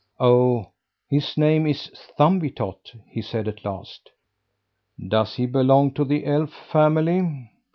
"Oh! his name is Thumbietot," he said at last. "Does he belong to the elf family?"